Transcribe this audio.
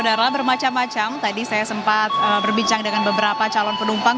adalah bermacam macam tadi saya sempat berbincang dengan beberapa calon penumpang